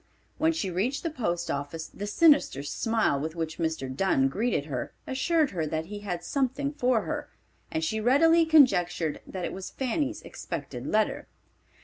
When she reached the post office the sinister smile with which Mr. Dunn greeted her assured her that he had something for her, and she readily conjectured that it was Fanny's expected letter.